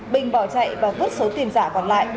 bình bỏ chạy và vứt số tiền giả còn lại